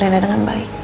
jagain rena dengan baik